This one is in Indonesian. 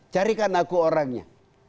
carikan aku orangnya